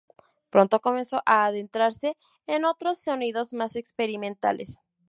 Pronto comenzó a adentrarse en otros sonidos más experimentales.